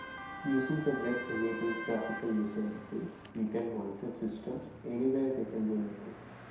Using the web-enabled graphical user interface, you can monitor systems anywhere within your network.